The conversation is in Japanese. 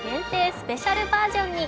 スペシャルバージョンに。